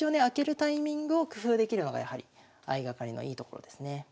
開けるタイミングを工夫できるのがやはり相掛かりのいいところですね。